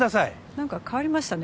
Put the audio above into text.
何か変わりましたね